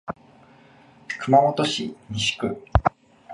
熊本市西区